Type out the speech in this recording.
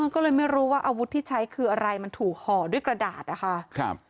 ก็เลยไม่รู้ว่าอาวุธที่ใช้คืออะไรมันถูกห่อด้วยกระดาษนะคะ